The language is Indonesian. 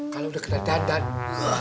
kalo udah kena dandan